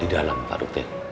di dalam pak dokter